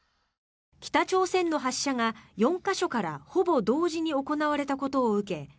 北朝鮮の発射が４か所からほぼ同時に行われたことを受け